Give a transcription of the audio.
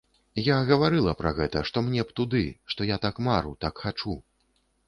Я гаварыла пра гэта, што мне б туды, што я так мару, так хачу.